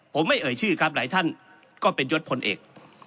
ผมไม่เอ่ยชื่อครับหลายท่านก็เป็นยศพลเอก